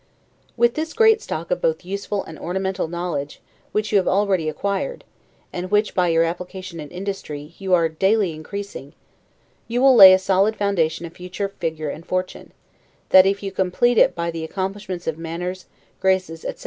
With this great stock of both useful and ornamental knowledge, which you have already acquired, and which, by your application and industry, you are daily increasing, you will lay such a solid foundation of future figure and fortune, that if you complete it by all the accomplishments of manners, graces, etc.